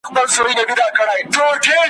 پنهان مي راز د میني دئ اظهاربه پکښي نه وي